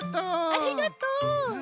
ありがとう。